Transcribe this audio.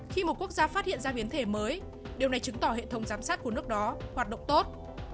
khi một quốc gia phát hiện ra biến thể mới điều này chứng tỏ hệ thống giám sát của nước đó hoạt động tốt